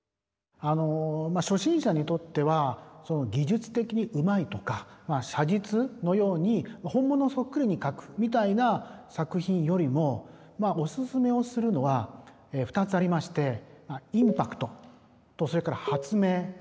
初心者にとっては技術的にうまいとか写実のように本物そっくりに描くみたいな作品よりもおすすめをするのは２つありましてインパクトとそれから発明というこの２つですね。